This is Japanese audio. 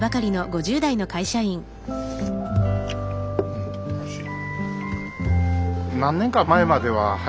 うんおいしい。